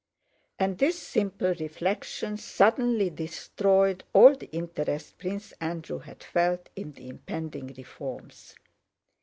And this simple reflection suddenly destroyed all the interest Prince Andrew had felt in the impending reforms.